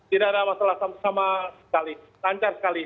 tidak ada masalah sama sekali lancar sekali